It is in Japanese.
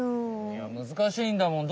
いや難しいんだもん。